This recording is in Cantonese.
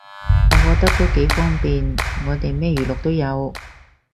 我覺得都幾方便，我哋咩娛樂都有